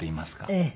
ええ。